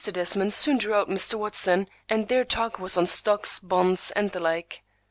Desmond soon drew out Mr. Watson, and their talk was on stocks, bonds, and the like.